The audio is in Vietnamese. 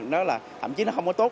nó là thậm chí nó không có tốt